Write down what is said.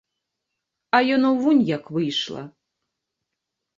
А яно вунь як выйшла!